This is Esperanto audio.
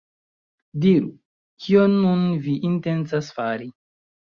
Diru, kion nun vi intencas fari?